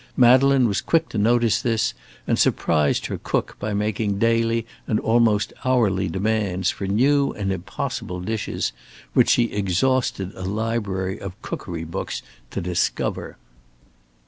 Madeleine was quick to notice this, and surprised her cook by making daily and almost hourly demands for new and impossible dishes, which she exhausted a library of cookery books to discover.